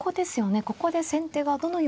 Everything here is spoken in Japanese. ここで先手がどのように攻めを。